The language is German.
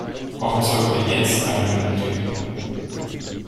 Warum sollten wir jetzt eine benötigen?